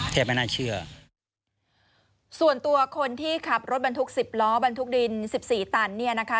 ไม่น่าเชื่อส่วนตัวคนที่ขับรถบรรทุกสิบล้อบรรทุกดินสิบสี่ตันเนี่ยนะคะ